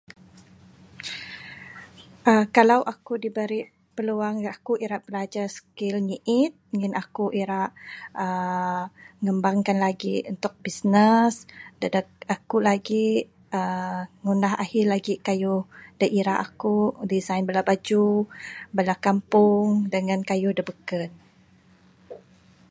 uhh Kalau akuk diberi piluang, akuk ira bilajar skill nyi'it. Ngin akuk irak uhh ngembangkan lagik untuk bisnes. Dadeg akuk lagik, uhh ngundah ahi lagik kayuh da irak akuk. Design bala bajuh, bala kampung dengan kayuh da bekun.